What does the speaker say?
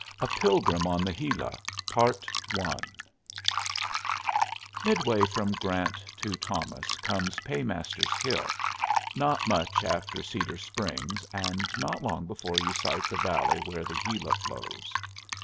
A PILGRIM ON THE GILA Midway from Grant to Thomas comes Paymaster's Hill, not much after Cedar Springs and not long before you sight the valley where the Gila flows.